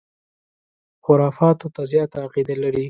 خُرافاتو ته زیاته عقیده لري.